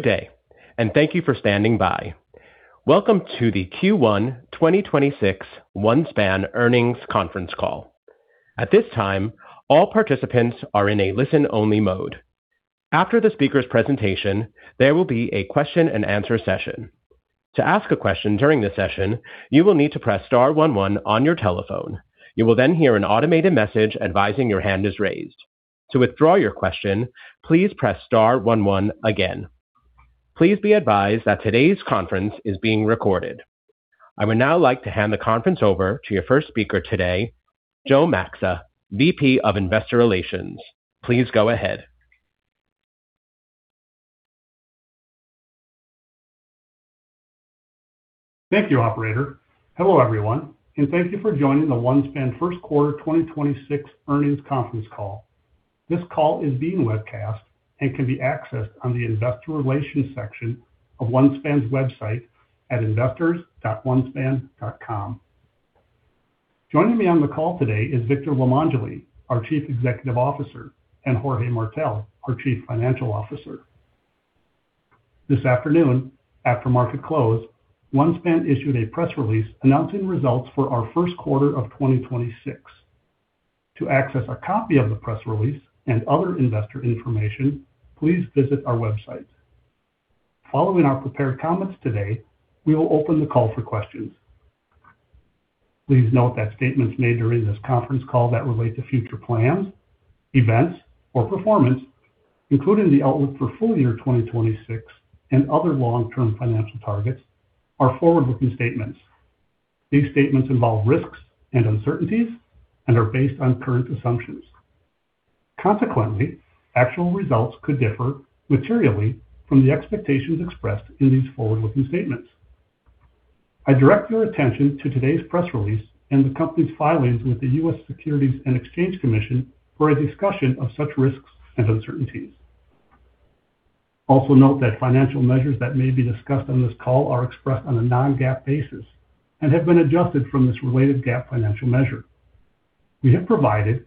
Welcome to the Q1 2026 OneSpan earnings conference call. I would now like to hand the conference over to your first speaker today, Joe Maxa, VP of Investor Relations. Please go ahead. Thank you, operator. Hello, everyone, and thank you for joining the OneSpan first quarter 2026 earnings conference call. This call is being webcast and can be accessed on the investor relations section of OneSpan's website at investors.onespan.com. Joining me on the call today is Victor Limongelli, our Chief Executive Officer, and Jorge Martell, our Chief Financial Officer. This afternoon, after market close, OneSpan issued a press release announcing results for our first quarter of 2026. To access a copy of the press release and other investor information, please visit our website. Following our prepared comments today, we will open the call for questions. Please note that statements made during this conference call that relate to future plans, events, or performance, including the outlook for full year 2026 and other long-term financial targets, are forward-looking statements. These statements involve risks and uncertainties and are based on current assumptions. Consequently, actual results could differ materially from the expectations expressed in these forward-looking statements. I direct your attention to today's press release and the company's filings with the U.S. Securities and Exchange Commission for a discussion of such risks and uncertainties. Also note that financial measures that may be discussed on this call are expressed on a non-GAAP basis and have been adjusted from this related GAAP financial measure. We have provided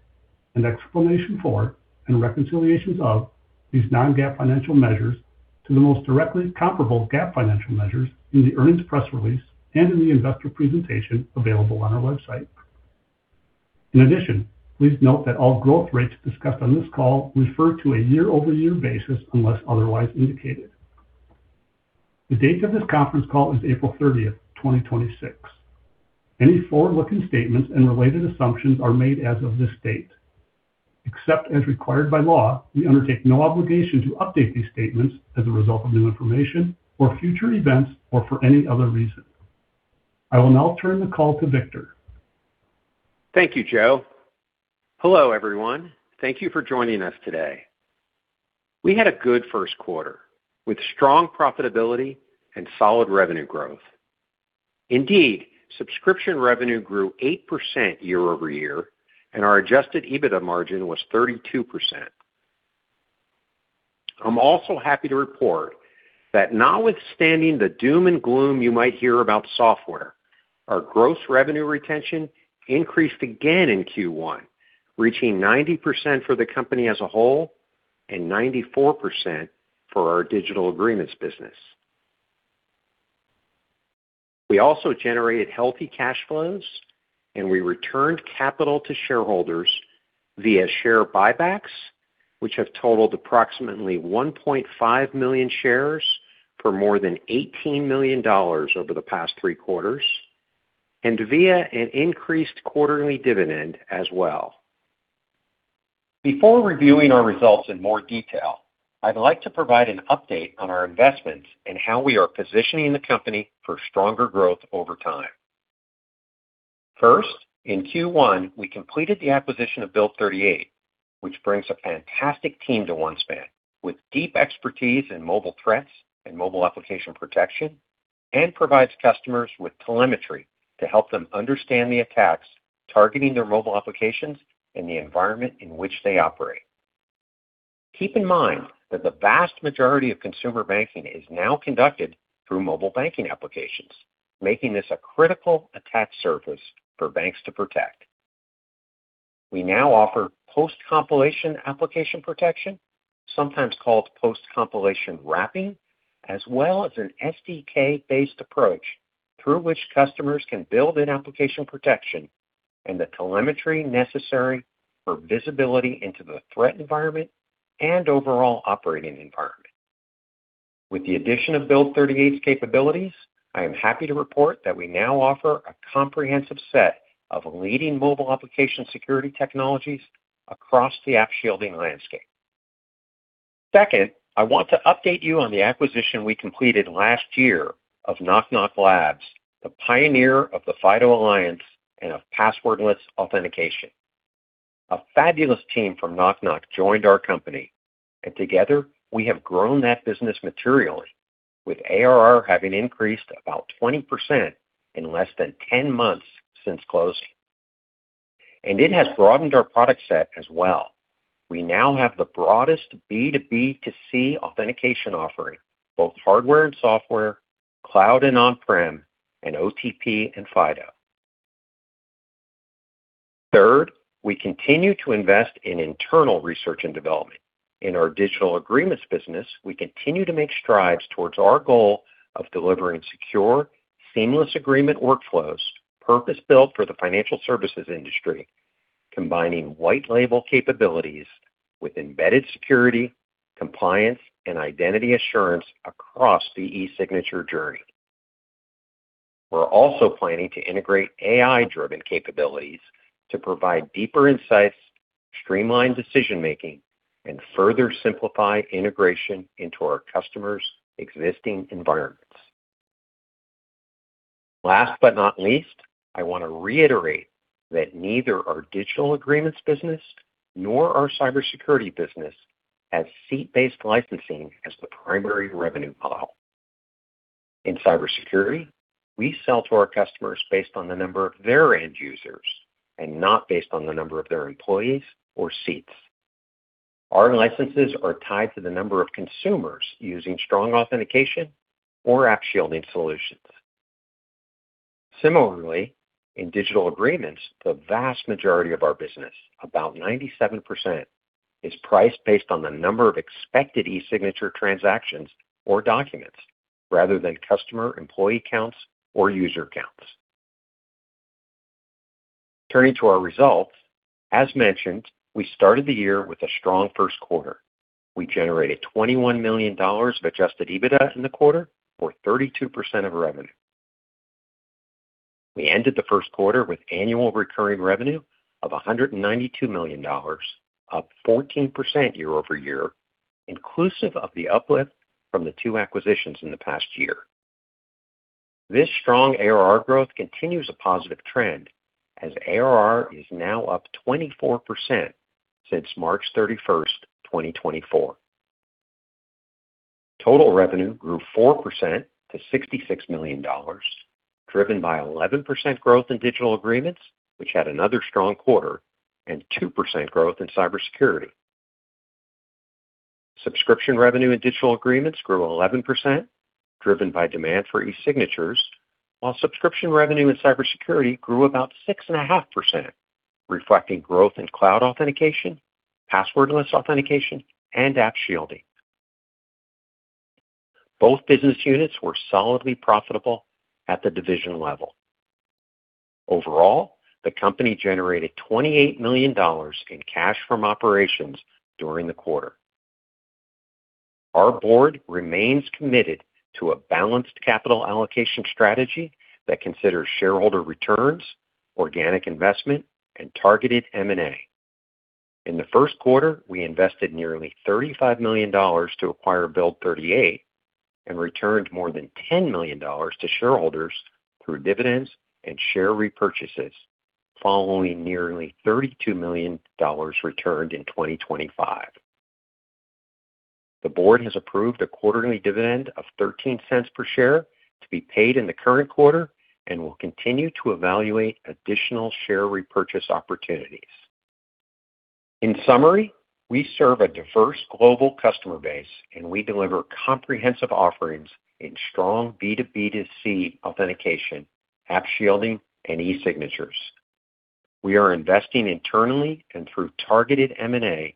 an explanation for and reconciliations of these non-GAAP financial measures to the most directly comparable GAAP financial measures in the earnings press release and in the investor presentation available on our website. In addition, please note that all growth rates discussed on this call refer to a year-over-year basis unless otherwise indicated. The date of this conference call is April 30, 2026. Any forward-looking statements and related assumptions are made as of this date. Except as required by law, we undertake no obligation to update these statements as a result of new information or future events or for any other reason. I will now turn the call to Victor. Thank you, Joe. Hello, everyone. Thank you for joining us today. We had a good first quarter with strong profitability and solid revenue growth. Subscription revenue grew 8% year-over-year, and our adjusted EBITDA margin was 32%. I'm also happy to report that notwithstanding the doom and gloom you might hear about software, our gross revenue retention increased again in Q1, reaching 90% for the company as a whole and 94% for our Digital Agreements business. We also generated healthy cash flows, and we returned capital to shareholders via share buybacks, which have totaled approximately 1.5 million shares for more than $18 million over the past three quarters, and via an increased quarterly dividend as well. Before reviewing our results in more detail, I'd like to provide an update on our investments and how we are positioning the company for stronger growth over time. First, in Q1, we completed the acquisition of Build38, which brings a fantastic team to OneSpan with deep expertise in mobile threats and mobile application protection and provides customers with telemetry to help them understand the attacks targeting their mobile applications and the environment in which they operate. Keep in mind that the vast majority of consumer banking is now conducted through mobile banking applications, making this a critical attack surface for banks to protect. We now offer post-compilation application protection, sometimes called post-compilation wrapping, as well as an SDK-based approach through which customers can build an application protection and the telemetry necessary for visibility into the threat environment and overall operating environment. With the addition of Build38 capabilities, I am happy to report that we now offer a comprehensive set of leading mobile application security technologies across the app shielding landscape. Second, I want to update you on the acquisition we completed last year of Nok Nok Labs, the pioneer of the FIDO Alliance and of passwordless authentication. A fabulous team from Nok Nok joined our company, and together we have grown that business materially with ARR having increased about 20% in less than 10 months since closing. It has broadened our product set as well. We now have the broadest B2B2C authentication offering, both hardware and software, cloud and on-prem, and OTP and FIDO. Third, we continue to invest in internal research and development. In our Digital Agreements business, we continue to make strides towards our goal of delivering secure, seamless agreement workflows purpose-built for the financial services industry, combining white label capabilities with embedded security, compliance, and identity assurance across the e-signature journey. We're also planning to integrate AI-driven capabilities to provide deeper insights, streamline decision-making, and further simplify integration into our customers' existing environments. Last but not least, I want to reiterate that neither our Digital Agreements business nor our cybersecurity business has seat-based licensing as the primary revenue model. In cybersecurity, we sell to our customers based on the number of their end users and not based on the number of their employees or seats. Our licenses are tied to the number of consumers using strong authentication or app shielding solutions. Similarly, in Digital Agreements, the vast majority of our business, about 97%, is priced based on the number of expected e-signature transactions or documents rather than customer employee counts or user counts. Turning to our results, as mentioned, we started the year with a strong first quarter. We generated $21 million of adjusted EBITDA in the quarter, or 32% of revenue. We ended the first quarter with annual recurring revenue of $192 million, up 14% year-over-year, inclusive of the uplift from the two acquisitions in the past year. This strong ARR growth continues a positive trend as ARR is now up 24% since March 31, 2024. Total revenue grew 4% to $66 million, driven by 11% growth in Digital Agreements, which had another strong quarter, and 2% growth in cybersecurity. Subscription revenue in Digital Agreements grew 11%, driven by demand for e-signatures, while subscription revenue in cybersecurity grew about 6.5%, reflecting growth in cloud authentication, passwordless authentication, and app shielding. Both business units were solidly profitable at the division level. Overall, the company generated $28 million in cash from operations during the quarter. Our board remains committed to a balanced capital allocation strategy that considers shareholder returns, organic investment, and targeted M&A. In the first quarter, we invested nearly $35 million to acquire Build38 and returned more than $10 million to shareholders through dividends and share repurchases following nearly $32 million returned in 2025. The board has approved a quarterly dividend of $0.13 per share to be paid in the current quarter and will continue to evaluate additional share repurchase opportunities. In summary, we serve a diverse global customer base, and we deliver comprehensive offerings in strong B2B2C authentication, app shielding, and e-signatures. We are investing internally and through targeted M&A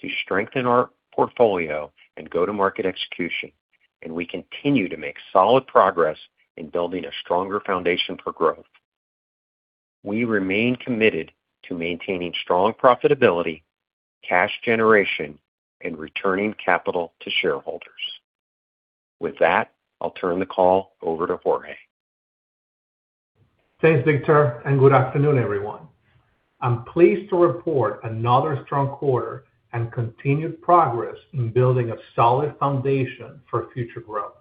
to strengthen our portfolio and go-to-market execution, and we continue to make solid progress in building a stronger foundation for growth. We remain committed to maintaining strong profitability, cash generation, and returning capital to shareholders. With that, I'll turn the call over to Jorge. Thanks, Victor, and good afternoon, everyone. I'm pleased to report another strong quarter and continued progress in building a solid foundation for future growth.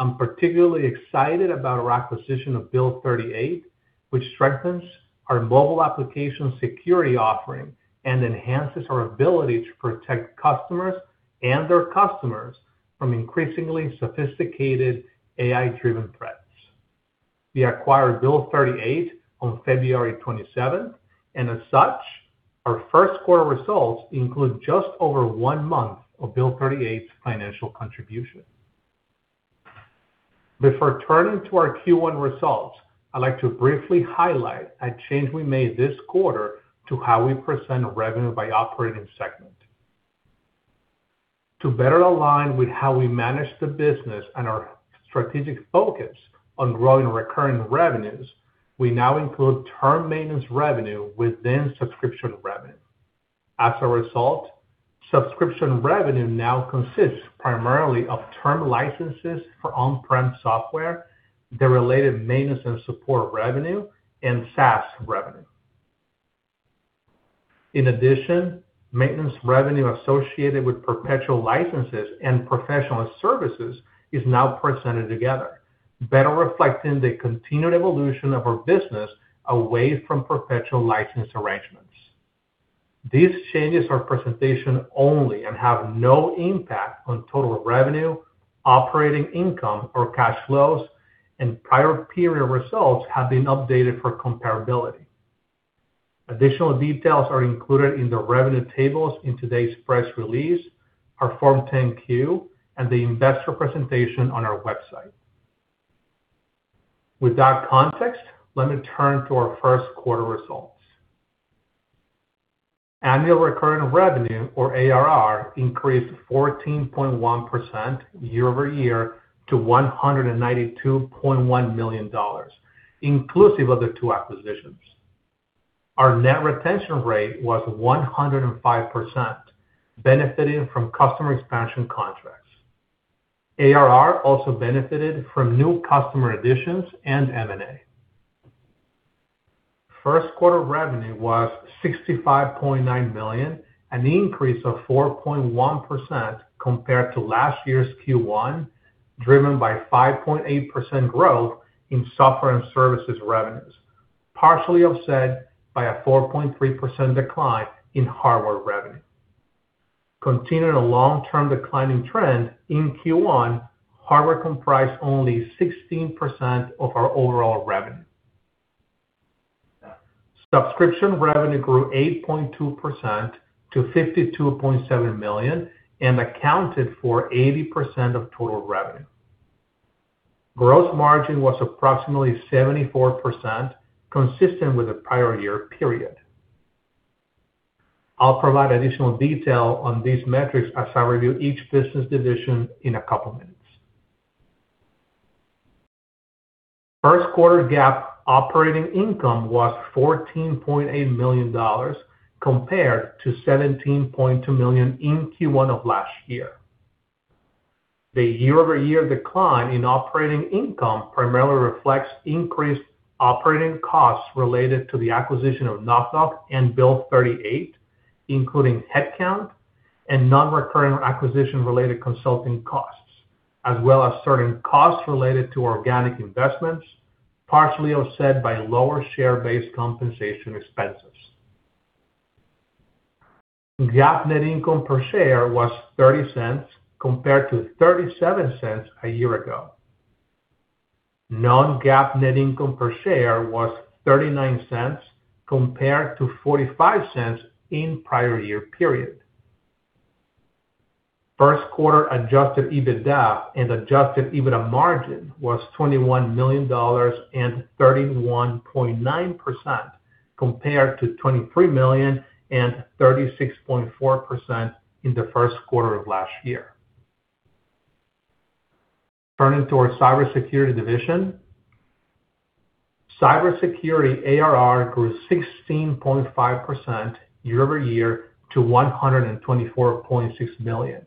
I'm particularly excited about our acquisition of Build38, which strengthens our mobile application security offering and enhances our ability to protect customers and their customers from increasingly sophisticated AI-driven threats. We acquired Build38 on February 27th, and as such, our 1st quarter results include just over one month of Build38's financial contribution. Before turning to our Q1 results, I'd like to briefly highlight a change we made this quarter to how we present revenue by operating segment. To better align with how we manage the business and our strategic focus on growing recurring revenues, we now include term maintenance revenue within subscription revenue. As a result, subscription revenue now consists primarily of term licenses for on-prem software, the related maintenance and support revenue, and SaaS revenue. In addition, maintenance revenue associated with perpetual licenses and professional services is now presented together, better reflecting the continued evolution of our business away from perpetual license arrangements. These changes are presentation only and have no impact on total revenue, operating income, or cash flows, and prior period results have been updated for comparability. Additional details are included in the revenue tables in today's press release, our Form 10-Q, and the investor presentation on our website. With that context, let me turn to our first quarter results. Annual recurring revenue, or ARR, increased 14.1% year-over-year to $192.1 million, inclusive of the two acquisitions. Our net retention rate was 105%, benefiting from customer expansion contracts. ARR also benefited from new customer additions and M&A. First quarter revenue was $65.9 million, an increase of 4.1% compared to last year's Q1, driven by 5.8% growth in software and services revenues, partially offset by a 4.3% decline in hardware revenue. Continuing a long-term declining trend, in Q1, hardware comprised only 16% of our overall revenue. Subscription revenue grew 8.2% to $52.7 million and accounted for 80% of total revenue. Gross margin was approximately 74%, consistent with the prior year period. I'll provide additional detail on these metrics as I review each business division in a couple minutes. First quarter GAAP operating income was $14.8 million compared to $17.2 million in Q1 of last year. The year-over-year decline in operating income primarily reflects increased operating costs related to the acquisition of Nok Nok and Build38, including headcount and non-recurring acquisition-related consulting costs, as well as certain costs related to organic investments, partially offset by lower share-based compensation expenses. GAAP net income per share was $0.30 compared to $0.37 a year ago. Non-GAAP net income per share was $0.39 compared to $0.45 in prior year period. first quarter adjusted EBITDA and adjusted EBITDA margin was $21 million and 31.9% compared to $23 million and 36.4% in the first quarter of last year. Turning to our cybersecurity division, cybersecurity ARR grew 16.5% year-over-year to $124.6 million,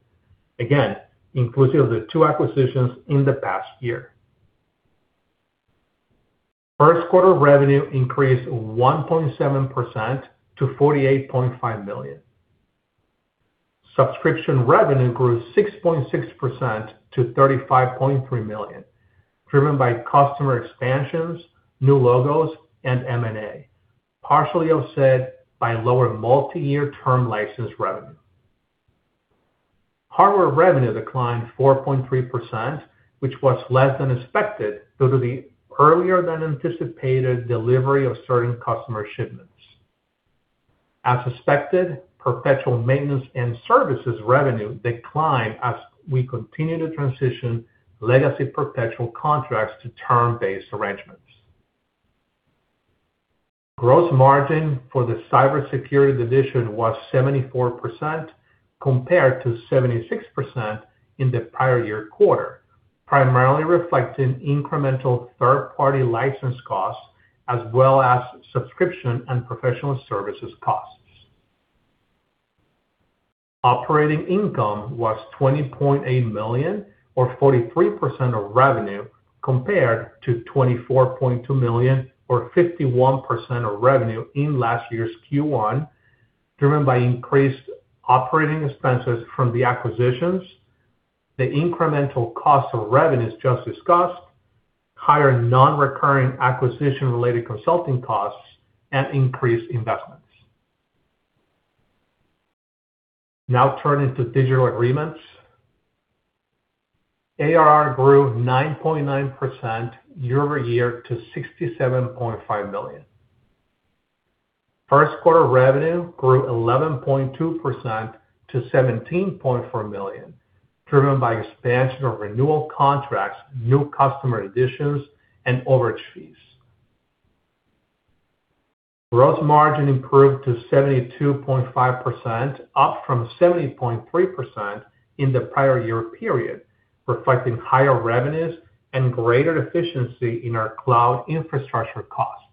again, inclusive of the two acquisitions in the past year. First quarter revenue increased 1.7% to $48.5 million. Subscription revenue grew 6.6% to $35.3 million, driven by customer expansions, new logos, and M&A, partially offset by lower multi-year term license revenue. Hardware revenue declined 4.3%, which was less than expected due to the earlier than anticipated delivery of certain customer shipments. As expected, perpetual maintenance and services revenue declined as we continue to transition legacy perpetual contracts to term-based arrangements. Gross margin for the cybersecurity division was 74% compared to 76% in the prior year quarter, primarily reflecting incremental third-party license costs as well as subscription and professional services costs. Operating income was $20.8 million or 43% of revenue compared to $24.2 million or 51% of revenue in last year's Q1, driven by increased operating expenses from the acquisitions, the incremental cost of revenues just discussed, higher non-recurring acquisition-related consulting costs, and increased investments. Now turning to Digital Agreements. ARR grew 9.9% year-over-year to $67.5 million. First quarter revenue grew 11.2% to $17.4 million, driven by expansion of renewal contracts, new customer additions, and overage fees. Gross margin improved to 72.5%, up from 70.3% in the prior year period, reflecting higher revenues and greater efficiency in our cloud infrastructure costs.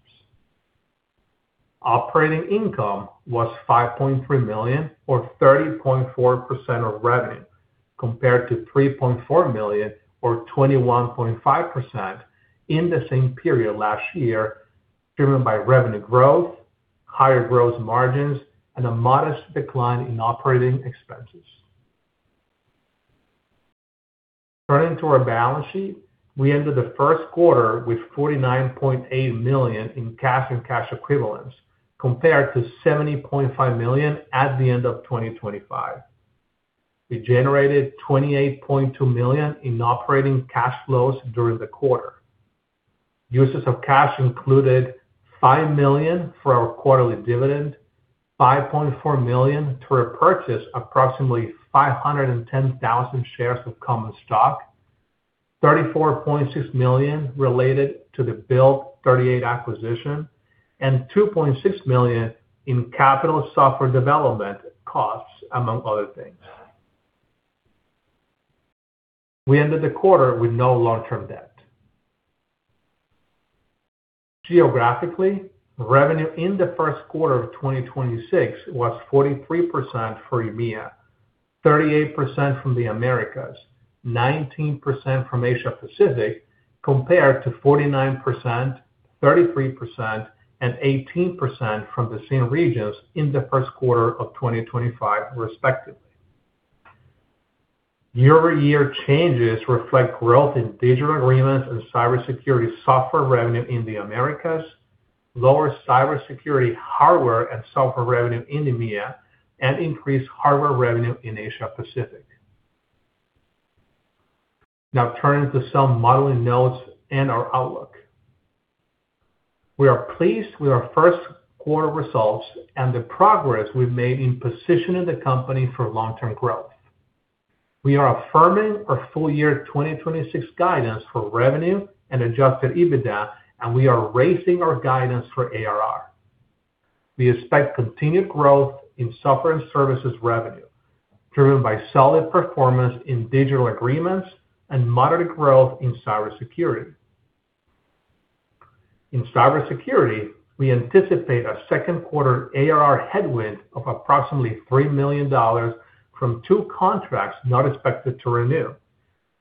Operating income was $5.3 million or 30.4% of revenue compared to $3.4 million or 21.5% in the same period last year, driven by revenue growth, higher gross margins, and a modest decline in operating expenses. Turning to our balance sheet, we ended the first quarter with $49.8 million in cash and cash equivalents compared to $70.5 million at the end of 2025. We generated $28.2 million in operating cash flows during the quarter. Uses of cash included $5 million for our quarterly dividend, $5.4 million to repurchase approximately 510,000 shares of common stock, $34.6 million related to the Build38 acquisition, and $2.6 million in capital software development costs, among other things. We ended the quarter with no long-term debt. Geographically, revenue in the first quarter of 2026 was 43% for EMEA, 38% from the Americas, 19% from Asia Pacific, compared to 49%, 33%, and 18% from the same regions in the first quarter of 2025 respectively. Year-over-year changes reflect growth in Digital Agreements and cybersecurity software revenue in the Americas, lower cybersecurity hardware and software revenue in EMEA, and increased hardware revenue in Asia Pacific. Turning to some modeling notes and our outlook. We are pleased with our first quarter results and the progress we've made in positioning the company for long-term growth. We are affirming our full year 2026 guidance for revenue and adjusted EBITDA, we are raising our guidance for ARR. We expect continued growth in software and services revenue, driven by solid performance in Digital Agreements and moderate growth in cybersecurity. In cybersecurity, we anticipate a second quarter ARR headwind of approximately $3 million from two contracts not expected to renew.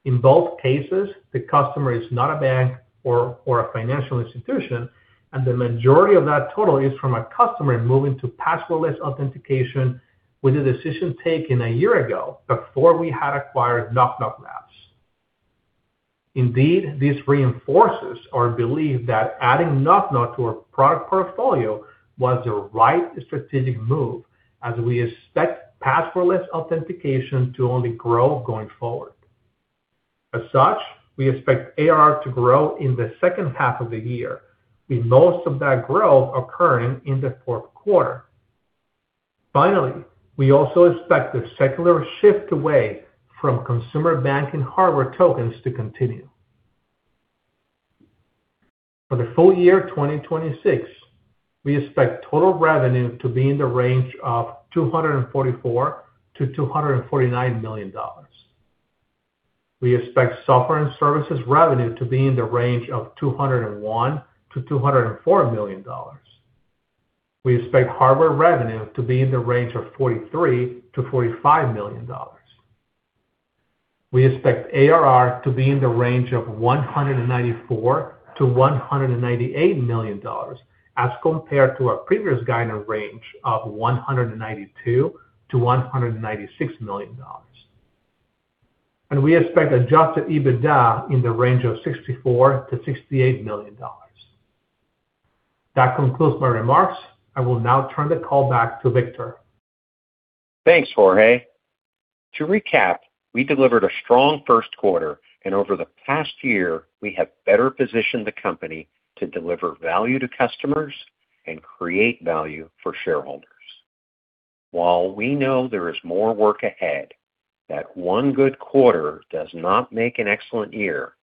In both cases, the customer is not a bank or a financial institution, and the majority of that total is from a customer moving to passwordless authentication with a decision taken a year ago before we had acquired Nok Nok Labs. This reinforces our belief that adding Nok Nok to our product portfolio was the right strategic move as we expect passwordless authentication to only grow going forward. We expect ARR to grow in the second half of the year, with most of that growth occurring in the fourth quarter. We also expect the secular shift away from consumer banking hardware tokens to continue. For the full year 2026, we expect total revenue to be in the range of $244 million-$249 million. We expect software and services revenue to be in the range of $201 million-$204 million. We expect hardware revenue to be in the range of $43 million-$45 million. We expect ARR to be in the range of $194 million-$198 million as compared to our previous guidance range of $192 million-$196 million. We expect adjusted EBITDA in the range of $64 million-$68 million. That concludes my remarks. I will now turn the call back to Victor. Thanks, Jorge. To recap, we delivered a strong first quarter, and over the past year, we have better positioned the company to deliver value to customers and create value for shareholders. While we know there is more work ahead, that one good quarter does not make an excellent year,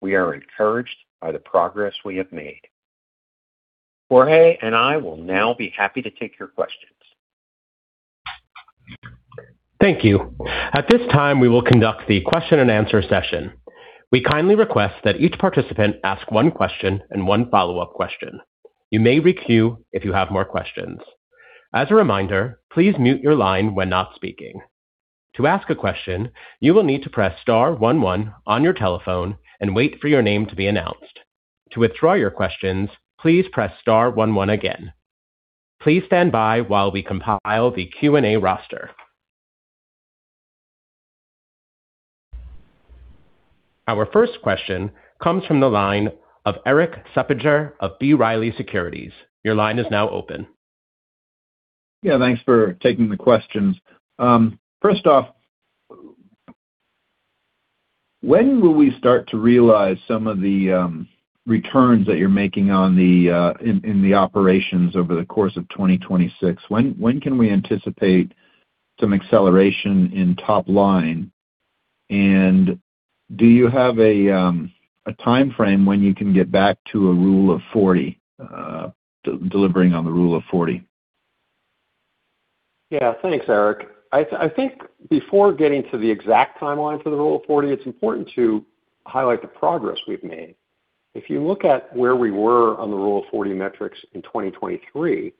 we are encouraged by the progress we have made. Jorge and I will now be happy to take your questions. Thank you. At this time, we will conduct the question and answer session. We kindly request that each participant ask one question and one follow-up question. You may queue if you have more questions. As a reminder, please mute your line when not speaking. To ask a question, you will need to press star one one on your telephone and wait for your name to be announced. To withdraw your questions, please press star one one again. Please stand by while we compile the Q&A roster. Our first question comes from the line of Erik Suppiger of B. Riley Securities. Your line is now open. Yeah, thanks for taking the questions. First off, when will we start to realize some of the returns that you're making on the operations over the course of 2026? When can we anticipate some acceleration in top line? Do you have a timeframe when you can get back to a Rule of 40, delivering on the Rule of 40? Thanks, Erik. I think before getting to the exact timeline for the Rule of 40, it's important to highlight the progress we've made. If you look at where we were on the Rule of 40 metrics in 2023,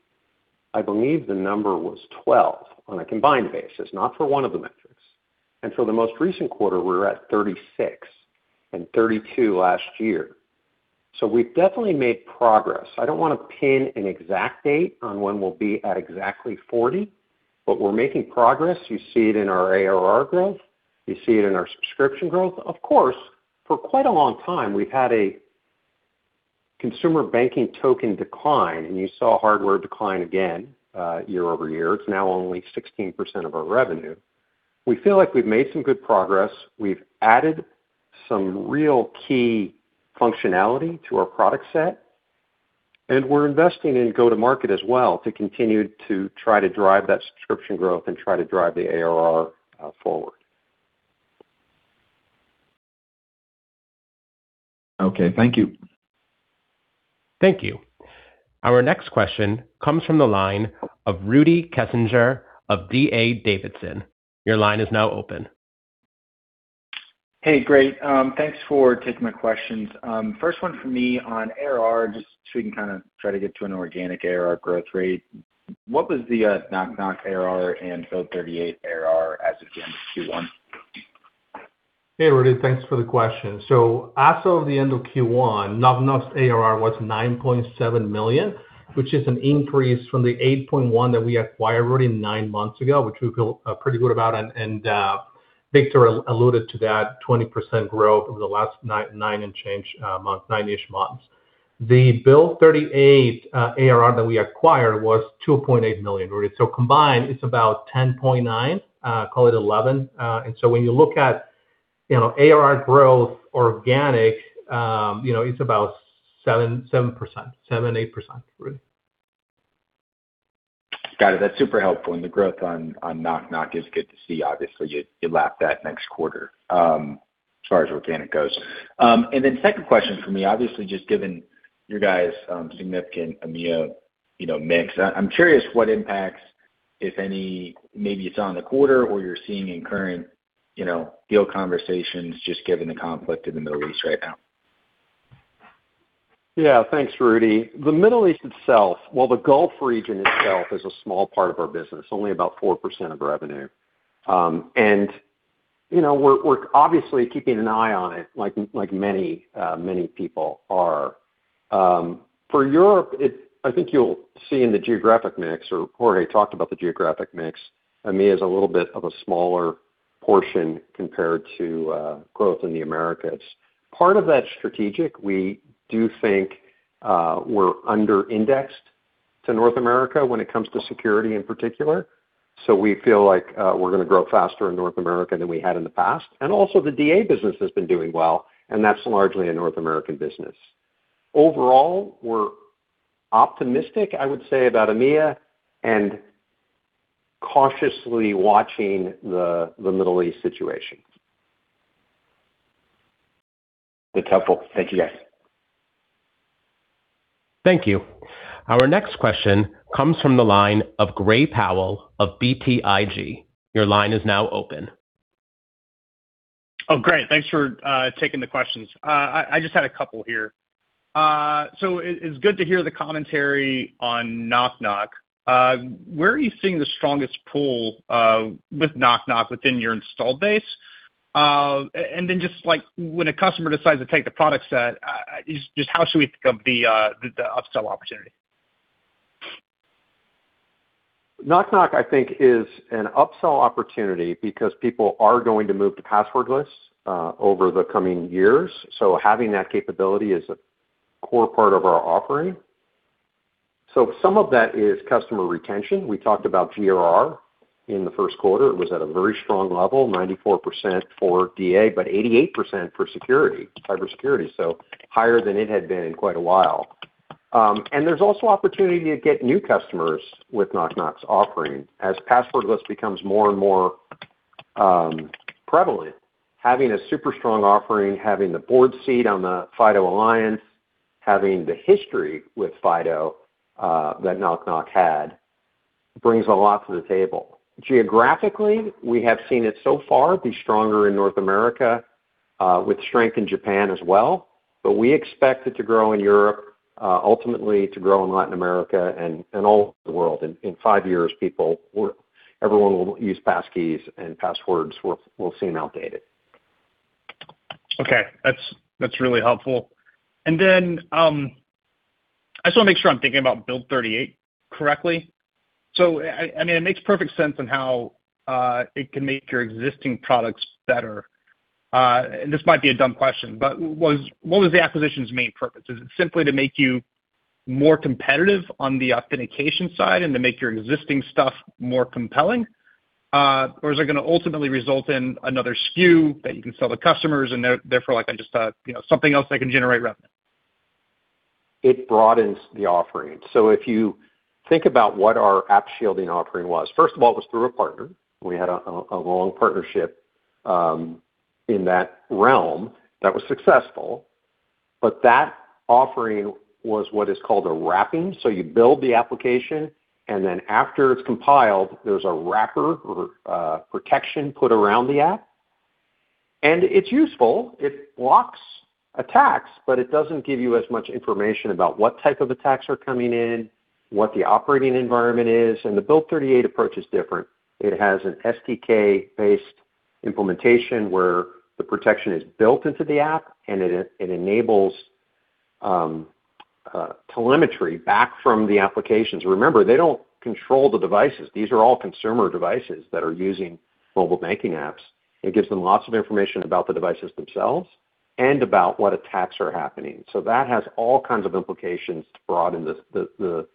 I believe the number was 12 on a combined basis, not for one of the metrics. The most recent quarter, we were at 36 and 32 last year. We've definitely made progress. I don't wanna pin an exact date on when we'll be at exactly 40, but we're making progress. You see it in our ARR growth. You see it in our subscription growth. Of course, for quite a long time, we've had a consumer banking token decline, and you saw hardware decline again, year-over-year. It's now only 16% of our revenue. We feel like we've made some good progress. We've added some real key functionality to our product set, and we're investing in go-to-market as well to continue to try to drive that subscription growth and try to drive the ARR forward. Okay. Thank you. Thank you. Our next question comes from the line of Rudy Kessinger of D.A. Davidson. Hey, great. Thanks for taking my questions. First one for me on ARR, just so we can kinda try to get to an organic ARR growth rate. What was the Nok Nok ARR and Build38 ARR as of the end of Q1? Hey, Rudy. Thanks for the question. As of the end of Q1, Nok Nok's ARR was $9.7 million, which is an increase from the $8.1 million that we acquired already nine months ago, which we feel pretty good about. Victor alluded to that 20% growth over the last nine and change months, 9-ish months. The Build38 ARR that we acquired was $2.8 million. Combined, it's about $10.9 million, call it $11 million. When you look at, you know, ARR growth organic, you know, it's about 7%, 8%, Rudy. Got it. That's super helpful. The growth on Nok Nok is good to see. Obviously, you lap that next quarter, as far as organic goes. Second question for me, obviously just given your guys' significant EMEA, you know, mix, I'm curious what impacts, if any, maybe it's on the quarter or you're seeing in current, you know, deal conversations, just given the conflict in the Middle East right now. Thanks, Rudy. The Middle East itself, the Gulf region itself is a small part of our business, only about 4% of revenue. You know, we're obviously keeping an eye on it like many people are. For Europe, I think you'll see in the geographic mix or Jorge talked about the geographic mix, EMEA is a little bit of a smaller portion compared to growth in the Americas. Part of that strategic, we do think we're under-indexed to North America when it comes to security in particular. We feel like we're gonna grow faster in North America than we had in the past. Also the DA business has been doing well, and that's largely a North American business. Overall, we're optimistic, I would say, about EMEA and cautiously watching the Middle East situation. That's helpful. Thank you, guys. Thank you. Our next question comes from the line of Gray Powell of BTIG. Your line is now open. Great. Thanks for taking the questions. I just had a couple here. It's good to hear the commentary on Nok Nok. Where are you seeing the strongest pull with Nok Nok within your installed base? And then just like when a customer decides to take the product set, just how should we think of the upsell opportunity? Nok Nok Labs, I think, is an upsell opportunity because people are going to move to passwordless over the coming years, having that capability is a core part of our offering. Some of that is customer retention. We talked about GRR in the first quarter. It was at a very strong level, 94% for D.A., but 88% for security, cybersecurity, higher than it had been in quite a while. There's also opportunity to get new customers with Nok Nok Labs' offering. As passwordless becomes more and more prevalent, having a super strong offering, having the board seat on the FIDO Alliance, having the history with FIDO that Nok Nok Labs had brings a lot to the table. Geographically, we have seen it so far be stronger in North America with strength in Japan as well. We expect it to grow in Europe, ultimately to grow in Latin America and all over the world. In five years, everyone will use passkeys, and passwords will seem outdated. Okay. That's really helpful. I just want to make sure I'm thinking about Build38 correctly. I mean, it makes perfect sense on how it can make your existing products better. This might be a dumb question, but what was the acquisition's main purpose? Is it simply to make you more competitive on the authentication side and to make your existing stuff more compelling? Is it going to ultimately result in another SKU that you can sell to customers and therefore, like just, you know, something else that can generate revenue? It broadens the offering. If you think about what our app shielding offering was, first of all, it was through a partner. We had a long partnership in that realm that was successful. That offering was what is called a wrapping. You build the application, and then after it's compiled, there's a wrapper or protection put around the app. It's useful. It blocks attacks, but it doesn't give you as much information about what type of attacks are coming in, what the operating environment is. The Build38 approach is different. It has an SDK-based implementation where the protection is built into the app, and it enables telemetry back from the applications. Remember, they don't control the devices. These are all consumer devices that are using mobile banking apps. It gives them lots of information about the devices themselves and about what attacks are happening. That has all kinds of implications to broaden the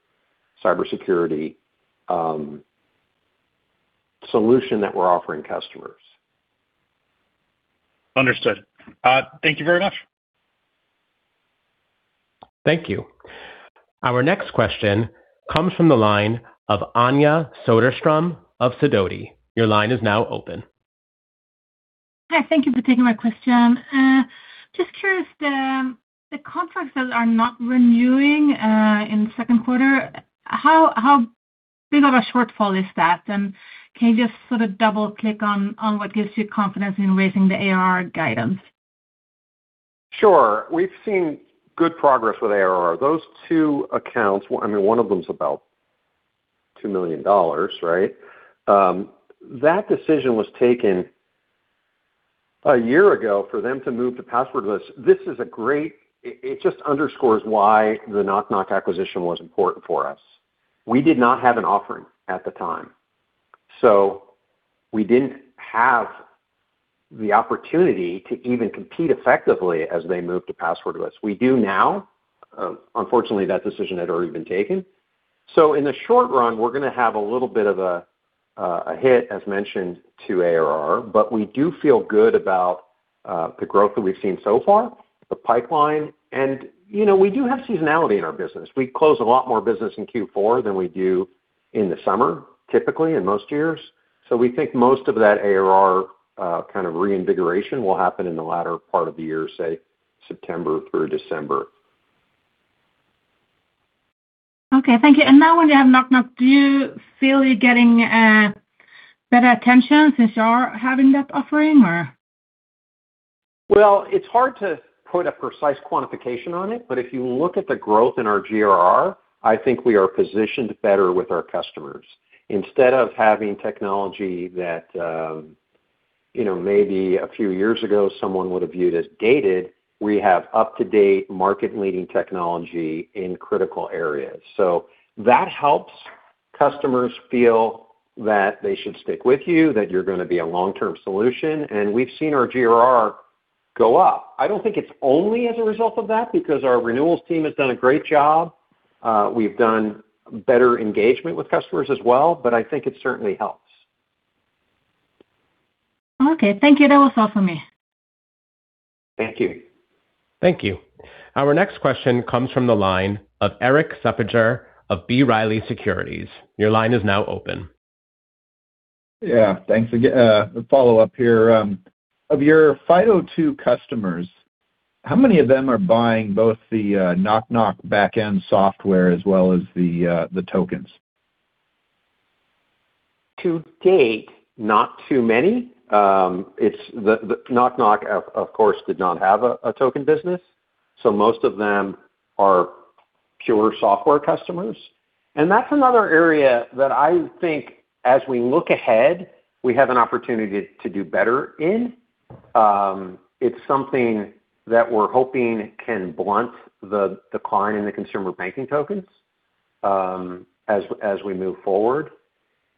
cybersecurity solution that we're offering customers. Understood. Thank you very much. Thank you. Our next question comes from the line of Anja Soderstrom of Sidoti. Your line is now open. Hi, thank you for taking my question. Just curious, the contracts that are not renewing in the second quarter, how big of a shortfall is that? Can you just sort of double-click on what gives you confidence in raising the ARR guidance? Sure. We've seen good progress with ARR. Those two accounts, one of them is about $2 million, right? That decision was taken a year ago for them to move to passwordless. This is a great. It just underscores why the Nok Nok acquisition was important for us. We did not have an offering at the time, so we didn't have the opportunity to even compete effectively as they moved to passwordless. We do now. Unfortunately, that decision had already been taken. In the short run, we're gonna have a little bit of a hit, as mentioned, to ARR, but we do feel good about the growth that we've seen so far, the pipeline. You know, we do have seasonality in our business. We close a lot more business in Q4 than we do in the summer, typically, in most years. We think most of that ARR, kind of reinvigoration will happen in the latter part of the year, say September through December. Okay. Thank you. Now when you have Nok Nok, do you feel you're getting better attention since you are having that offering or? It's hard to put a precise quantification on it, but if you look at the growth in our GRR, I think we are positioned better with our customers. Instead of having technology that, you know, maybe a few years ago someone would have viewed as dated, we have up-to-date market-leading technology in critical areas. That helps customers feel that they should stick with you, that you're gonna be a long-term solution, and we've seen our GRR go up. I don't think it's only as a result of that because our renewals team has done a great job. We've done better engagement with customers as well. I think it certainly helps. Okay. Thank you. That was all for me. Thank you. Thank you. Our next question comes from the line of Erik Suppiger of B. Riley Securities. Your line is now open. Yeah. Thanks again. A follow-up here. Of your FIDO2 customers, how many of them are buying both the Nok Nok back-end software as well as the tokens? To date, not too many. The Nok Nok of course did not have a token business, so most of them are pure software customers. That's another area that I think as we look ahead, we have an opportunity to do better in. It's something that we're hoping can blunt the decline in the consumer banking tokens as we move forward.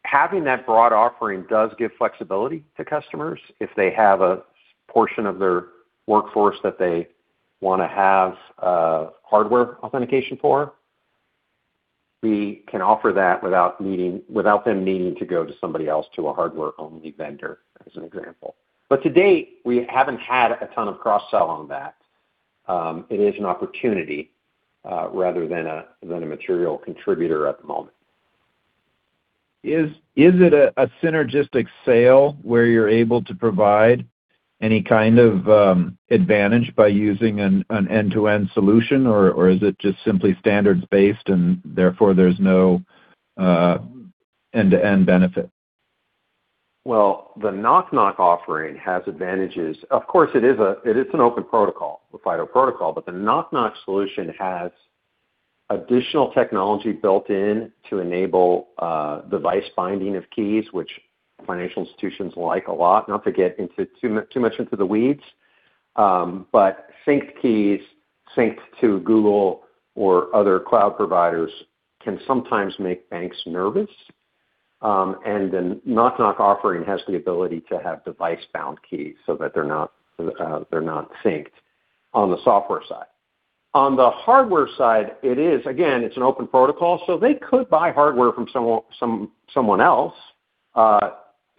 Having that broad offering does give flexibility to customers. If they have a portion of their workforce that they wanna have a hardware authentication for, we can offer that without them needing to go to somebody else to a hardware-only vendor, as an example. To date, we haven't had a ton of cross-sell on that. It is an opportunity rather than a material contributor at the moment. Is it a synergistic sale where you're able to provide any kind of advantage by using an end-to-end solution, or is it just simply standards-based and therefore there's no end-to-end benefit? Well, the Nok Nok Labs offering has advantages. Of course, it is an open protocol, the FIDO protocol, the Nok Nok Labs solution has additional technology built in to enable device binding of keys, which financial institutions like a lot. Not to get into too much into the weeds, sync keys synced to Google or other cloud providers can sometimes make banks nervous. The Nok Nok Labs offering has the ability to have device-bound keys so that they're not, they're not synced on the software side. On the hardware side, it is again, it's an open protocol, they could buy hardware from someone else.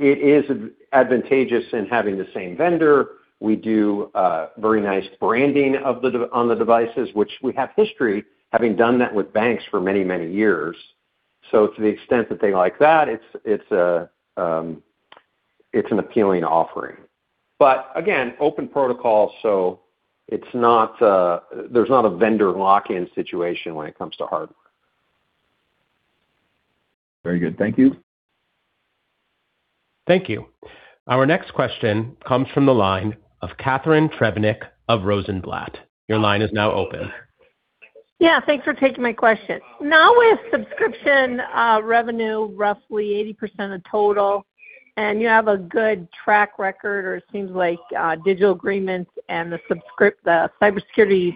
It is advantageous in having the same vendor. We do very nice branding on the devices, which we have history having done that with banks for many years. To the extent that they like that, it's an appealing offering. Again, open protocol, there's not a vendor lock-in situation when it comes to hardware. Very good. Thank you. Thank you. Our next question comes from the line of Catharine Trebnick of Rosenblatt. Your line is now open. Yeah. Thanks for taking my question. With subscription revenue roughly 80% of total, you have a good track record or it seems like Digital Agreements and the cybersecurity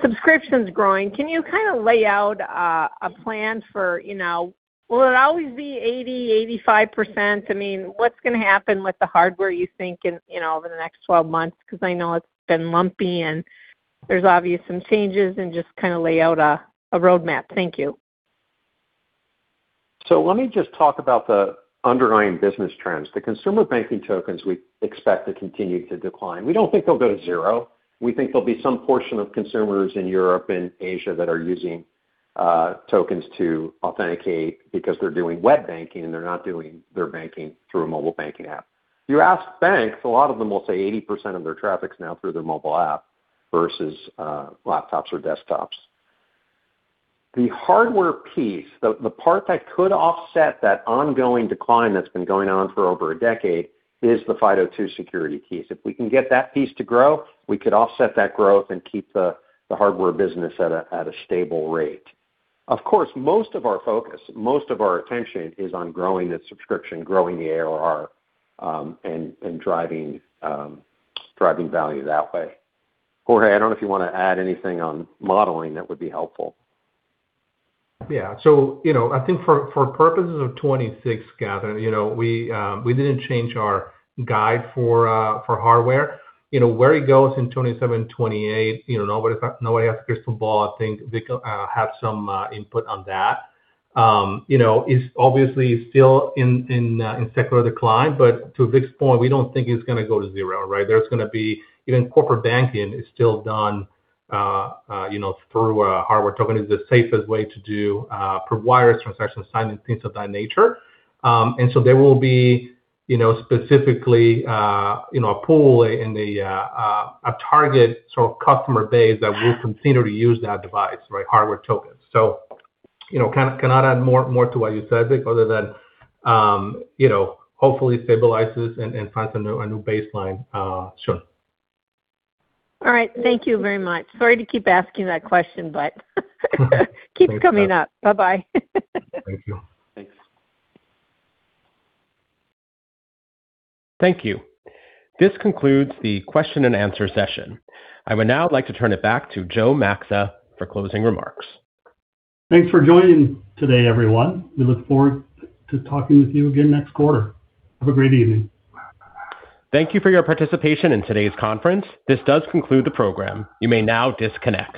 subscription is growing. Can you kinda lay out a plan for, you know, will it always be 80%, 85%? I mean, what's gonna happen with the hardware, you think in, you know, over the next 12 months? I know it's been lumpy and there's obviously some changes and just kinda lay out a roadmap. Thank you. Let me just talk about the underlying business trends. The consumer banking tokens we expect to continue to decline. We don't think they'll go to zero. We think there'll be some portion of consumers in Europe and Asia that are using tokens to authenticate because they're doing web banking and they're not doing their banking through a mobile banking app. You ask banks, a lot of them will say 80% of their traffic's now through their mobile app versus laptops or desktops. The hardware piece, the part that could offset that ongoing decline that's been going on for over a decade, is the FIDO2 security keys. If we can get that piece to grow, we could offset that growth and keep the hardware business at a stable rate. Of course, most of our focus, most of our attention is on growing the subscription, growing the ARR, and driving value that way. Jorge, I don't know if you want to add anything on modeling that would be helpful. Yeah, you know, I think for purposes of 2026, Catharine, you know, we didn't change our guide for hardware. You know, where it goes in 2027, 2028, you know, nobody has a crystal ball. I think Vic have some input on that. You know, it's obviously still in secular decline, but to Vic's point, we don't think it's gonna go to zero, right? Even corporate banking is still done, you know, through a hardware token. It's the safest way to do for wires, transactions, assignments, things of that nature. There will be, you know, specifically, you know, a pool in the a target sort of customer base that will continue to use that device, right? Hardware tokens. You know, kind of cannot add more to what you said, Vic, other than, you know, hopefully stabilizes and finds a new baseline, soon. All right. Thank you very much. Sorry to keep asking that question, but keeps coming up. Bye-bye. Thank you. Thanks. Thank you. This concludes the question and answer session. I would now like to turn it back to Joe Maxa for closing remarks. Thanks for joining today, everyone. We look forward to talking with you again next quarter. Have a great evening. Thank you for your participation in today's conference. This does conclude the program. You may now disconnect.